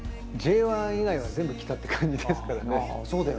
Ｊ１以外は全部来たって感じですからね。